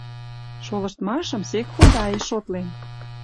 Шолыштмашым сек худаэш шотлен